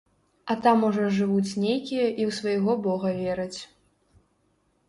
А там ужо жывуць нейкія і ў свайго бога вераць.